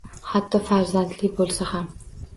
Hatto farzandli boʻlsa ham.